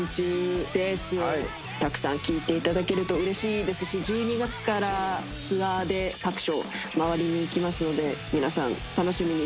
たくさん聴いていただけるとうれしいですし１２月からツアーで各所回りに行きますので皆さん楽しみにしてほしいです。